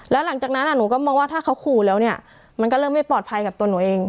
แล้วหลังจากนั้นหนูก็มองว่าถ้าเขาขู่แล้วเนี่ยมันก็เริ่มไม่ปลอดภัยกับตัวหนูเอง